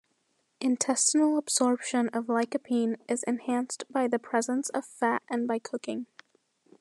Intestinal absorption of lycopene is enhanced by the presence of fat and by cooking.